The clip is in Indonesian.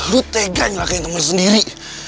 lu tegan lah kayak temen sendiri